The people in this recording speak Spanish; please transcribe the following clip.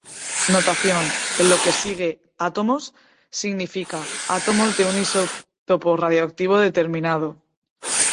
Notación: En lo que sigue, "átomos" significa "átomos de un isótopo radiactivo determinado".